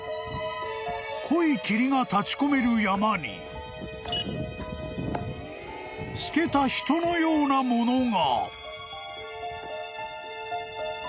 ［濃い霧が立ち込める山に透けた人のようなものが］